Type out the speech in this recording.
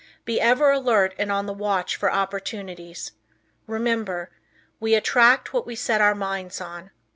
Be ever alert and on the watch for opportunities. Remember, we attract what we set our minds on.